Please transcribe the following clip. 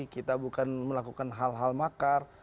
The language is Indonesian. kita bukan melakukan hal hal makar